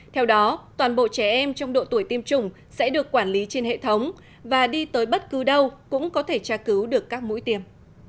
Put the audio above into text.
theo đó toàn bộ trẻ em trong độ tuổi tiêm chủng sẽ được quản lý trên hệ thống và đi tới bất cứ đâu cũng có thể tra cứu được các mũi tiêm